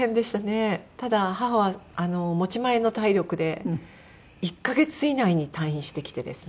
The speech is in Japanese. ただ母は持ち前の体力で１カ月以内に退院してきてですね。